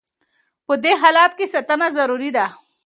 په دې حالت کې ساتنه ضروري ده.